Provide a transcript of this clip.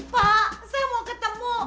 pak saya mau ketemu